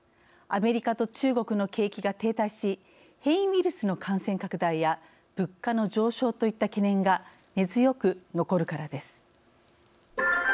アメリカと中国の景気が停滞し変異ウイルスの感染拡大や物価の上昇といった懸念が根強く、残るからです。